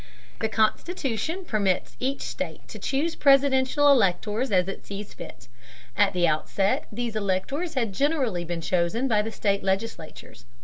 The Constitution permits each state to choose presidential electors as it sees fit. At the outset these electors had generally been chosen by the state legislatures.